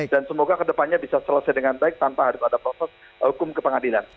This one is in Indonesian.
dan semoga ke depannya bisa selesai dengan baik tanpa ada proses hukum kepengadilan